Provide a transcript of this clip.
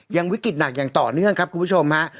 ยังวิกฤตหนักอย่างต่อเนื่องครับคุณผู้ชมฮะ